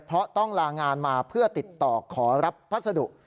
เพราะต้องลางานมาเพื่อติดต่อขอรับพัสดุ